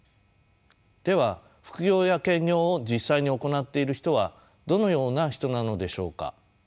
では副業や兼業を実際に行っている人はどのような人なのでしょうか。